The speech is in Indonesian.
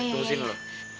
tunggu sini dulu